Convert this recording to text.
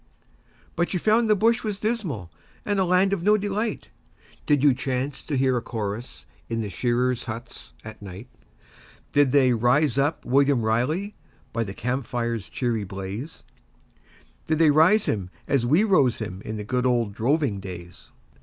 ..... But you found the bush was dismal and a land of no delight, Did you chance to hear a chorus in the shearers' huts at night? Did they 'rise up, William Riley' by the camp fire's cheery blaze? Did they rise him as we rose him in the good old droving days?